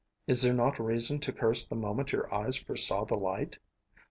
Is there not reason to curse the moment your eyes first saw the light?